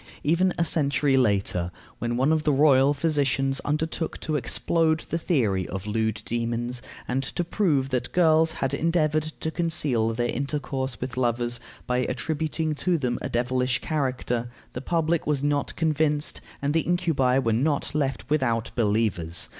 Even a century later, when one of the royal physicians undertook to explode the theory of lewd demons, and to prove that girls had endeavored to conceal their intercourse with lovers by attributing to them a devilish character, the public was not convinced, and the incubi were not left without believers.